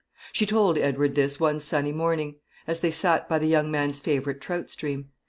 She told Edward this one sunny morning, as they sat by the young man's favourite trout stream.